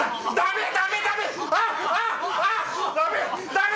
ダメ！